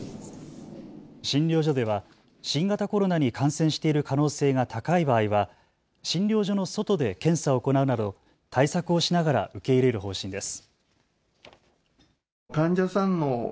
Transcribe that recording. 診療所では新型コロナに感染している可能性が高い場合は診療所の外で検査を行うなど対策をしながら受け入れる方針です。